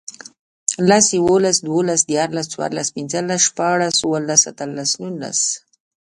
لس, یوولس, دوولس, دیرلس، څوارلس, پنځلس, شپاړس, اووهلس, اتهلس, نورلس